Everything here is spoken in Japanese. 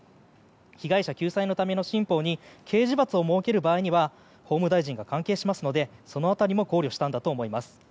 被害者救済のための新法に刑事罰を設ける場合には法務大臣が関係しますのでその辺りも考慮したんだと思います。